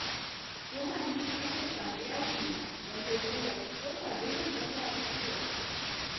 Tomēr mums patiešām ir jāuzmanās, lai šeit nejauktu kopā divas dažādas lietas.